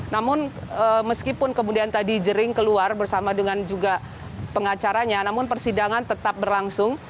namun meskipun kemudian tadi jering keluar bersama dengan juga pengacaranya namun persidangan tetap berlangsung